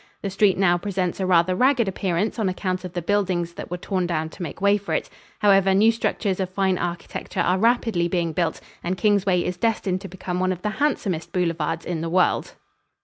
The street now presents a rather ragged appearance on account of the buildings that were torn down to make way for it. However, new structures of fine architecture are rapidly being built and Kingsway is destined to become one of the handsomest boulevards in the world.